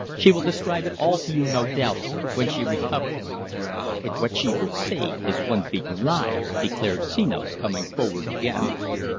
She will describe it all to you, no doubt, when she recovers." "And what she will say is one big lie," declared Senos, coming forward again.